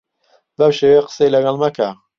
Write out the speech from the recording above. بەو شێوەیە قسەی لەگەڵ مەکە.